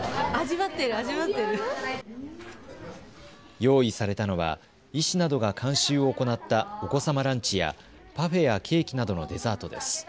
用意されたのは医師などが監修を行ったお子様ランチやパフェやケーキなどのデザートです。